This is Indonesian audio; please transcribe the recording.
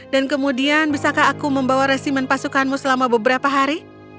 dan kemudian bisakah aku membawa resimen pasukanmu selama beberapa hari